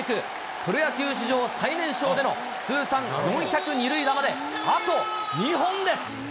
プロ野球史上最年少での通算４００二塁打まであと２本です。